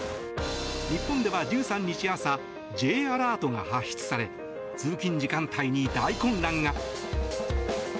日本では１３日朝Ｊアラートが発出され通勤時間帯に大混乱が。